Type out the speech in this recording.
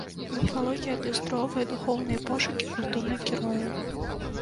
Міфалогія адлюстроўвае духоўныя пошукі культурных герояў.